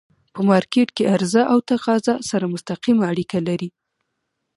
په مارکيټ کی عرضه او تقاضا سره مستقیمه اړیکه لري.